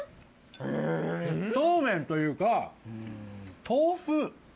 そうめんというか豆腐。